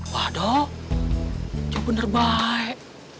waduh coba nerbaik